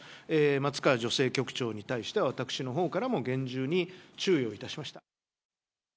松川女性局長に対しては、私のほうからも厳重に注意をいたしました。